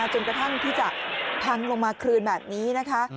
จนกระทั่งที่จะพังลงมาคืนแบบนี้นะคะ